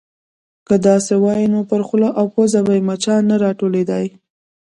_که داسې وای، نو پر خوله او پزه به يې مچان نه راټولېدای.